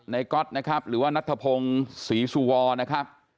ก๊อตนะครับหรือว่านัทธพงศ์ศรีสุวรนะครับ